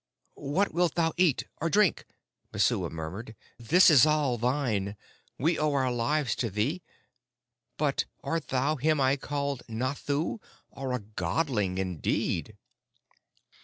"What wilt thou eat or drink?" Messua murmured. "This is all thine. We owe our lives to thee. But art thou him I called Nathoo, or a Godling, indeed?"